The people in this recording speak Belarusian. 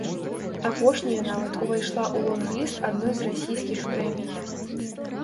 Апошняя нават увайшла ў лонг-ліст адной з расійскіх прэмій.